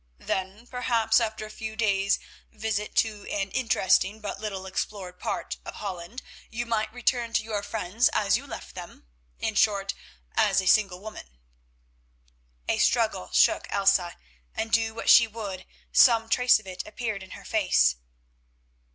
"Then, perhaps, after a few days visit to an interesting, but little explored part of Holland, you might return to your friends as you left them—in short as a single woman." A struggle shook Elsa, and do what she would some trace of it appeared in her face.